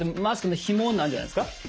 マスクのひもなんじゃないですか？